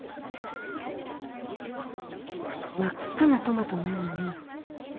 真っ赤なトマトの海に。